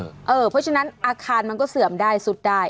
เพราะฉะนั้นอาคารมันก็เสื่อมได้สุดได้